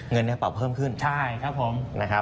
เงินในกระเป๋าเพิ่มขึ้นนะครับ